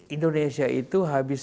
indonesia itu habis